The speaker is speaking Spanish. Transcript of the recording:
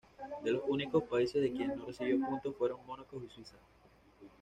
De los únicos países de quien no recibió puntos fueron Mónaco y Suiza.